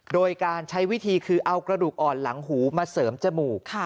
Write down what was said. โดยการใช้วิธีคือเอากระดูกอ่อนหลังหูมาเสริมจมูก